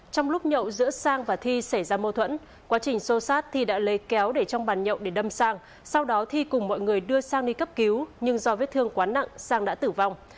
trong lúc nhậu giữa sang và thi xảy ra mâu thuẫn quá trình xô sát thi đã lấy kéo để trong bàn nhậu để đâm sang sau đó thi cùng mọi người đưa sang đi cấp cứu nhưng do vết thương quá nặng sang đã tử vong